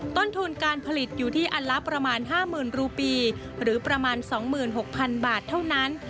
ต้นทุนการผลิตอยู่ที่อันละประมาณ๕๐๐๐รูปีหรือประมาณ๒๖๐๐๐บาทเท่านั้น